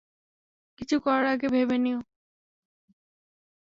কিছু করার আগে ভেবে নিও।